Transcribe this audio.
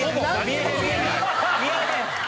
見えへん！